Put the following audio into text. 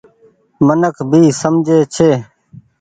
منک سب سمجهي ڇي۔